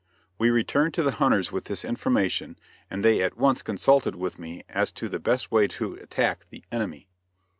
We returned to the hunters with this information, and they at once consulted with me as to the best way to attack the "enemy."